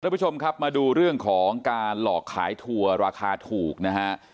ผู้ชมครับมาดูเรื่องของการหลอกขายทัวร์ราคาถูกนะฮะ